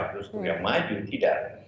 terus sudah maju tidak